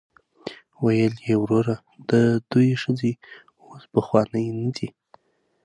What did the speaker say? ویل یې وروره د دوی ښځې اوس پخوانۍ نه دي.